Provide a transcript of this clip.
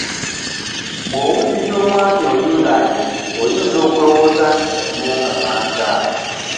Bw'owuliriza omwami oli nga ayogera oyinza okulowooza nti yaliwo nga banzaala.